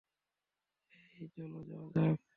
হেই চলো যাওয়া যাক।